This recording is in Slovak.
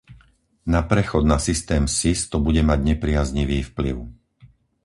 Na prechod na systém Sis to bude mať nepriaznivý vplyv.